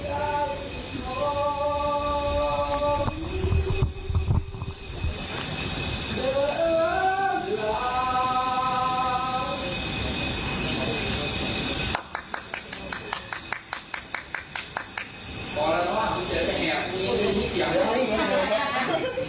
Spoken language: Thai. อาวุธของใจของพี่ยังคิดใจใจที่ใจ